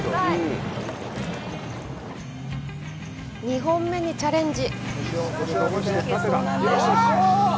２本目にチャレンジ！